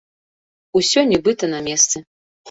Усё нібыта на месцы.